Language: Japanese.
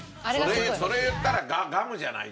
それ言ったらガムじゃない？